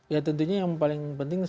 ya tentunya yang paling penting